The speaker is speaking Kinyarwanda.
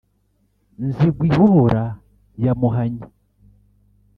Nzigw-ihora ya Muhanyi